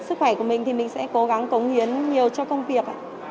sức khỏe của mình thì mình sẽ cố gắng cống hiến nhiều cho công việc